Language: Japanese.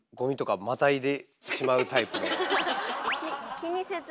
気にせず？